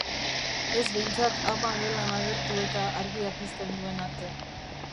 Ez behintzat ama gelan agertu eta argia pizten duen arte.